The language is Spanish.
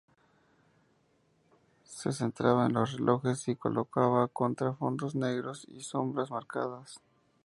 Se centraba en los relojes y los colocaba contra fondos negros y sombras marcadas.